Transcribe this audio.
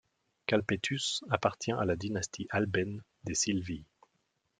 Calpetus appartient à la dynastie albaine des Silvii.